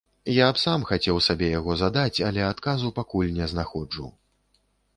Я б сам хацеў сабе яго задаць, але адказу пакуль не знаходжу.